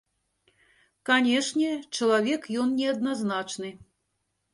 Канечне, чалавек ён неадназначны.